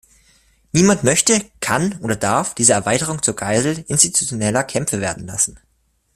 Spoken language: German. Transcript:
Niemand möchte, kann oder darf diese Erweiterung zur Geisel institutioneller Kämpfe werden lassen.